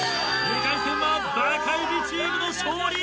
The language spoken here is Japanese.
２回戦はバカイジチームの勝利。